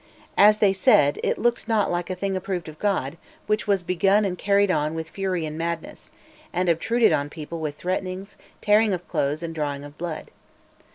As they said, "it looked not like a thing approved of God, which was begun and carried on with fury and madness, and obtruded on people with threatenings, tearing of clothes, and drawing of blood."